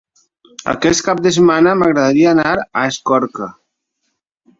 Aquest cap de setmana m'agradaria anar a Escorca.